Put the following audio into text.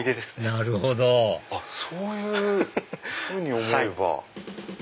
⁉なるほどそういうふうに思えば。